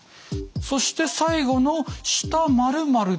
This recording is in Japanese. そして最後の「下○」。